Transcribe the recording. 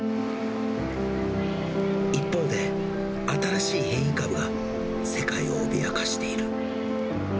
一方で、新しい変異株が世界を脅かしている。